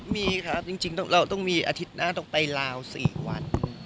มีครับจริงเราต้องมีอาทิตย์หน้าต้องไปลาว๔วัน